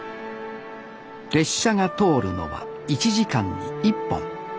列車が通るのは１時間に１本。